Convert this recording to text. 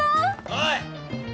・おい！